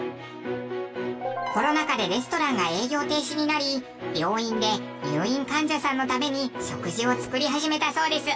コロナ禍でレストランが営業停止になり病院で入院患者さんのために食事を作り始めたそうです。